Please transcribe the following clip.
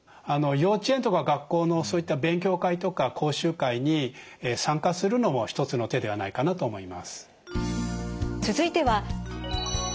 幼稚園とか学校のそういった勉強会とか講習会に参加するのも一つの手ではないかなと思います。